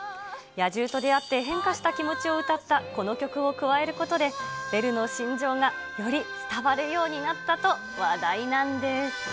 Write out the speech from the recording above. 野獣と出会って変化した気持ちを歌ったこの曲を加えることで、ベルの心情がより伝わるようになったと話題なんです。